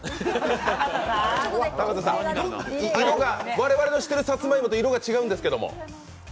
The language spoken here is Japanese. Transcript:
我々の知ってるさつまいもと色が違うんですけれども。